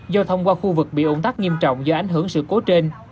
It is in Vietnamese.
do thông qua khu vực bị ổn tắt nghiêm trọng do ảnh hưởng sự cố trên